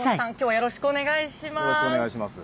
よろしくお願いします。